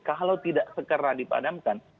kalau tidak segera dipadamkan